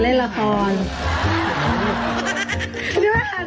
หลักฐานที่นั่ง